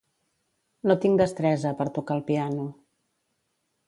No tinc destresa per tocar el piano.